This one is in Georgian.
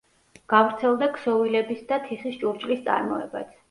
გავრცელდა ქსოვილების და თიხის ჭურჭლის წარმოებაც.